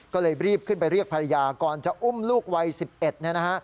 ก็เลยรีบขึ้นไปเรียกภรรยาก่อนจะอุ้มลูกวัย๑๑เนี่ยนะฮะ